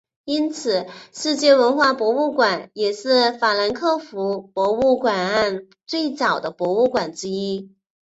因此世界文化博物馆也是法兰克福博物馆岸最早的博物馆之一。